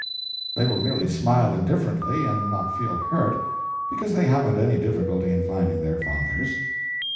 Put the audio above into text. They will merely smile indifferently, and not feel hurt, because they haven't any difficulty in finding their fathers.